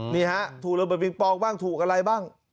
นี่ฮะถูกระเบิดปิงปองบ้างถูกอะไรบ้าง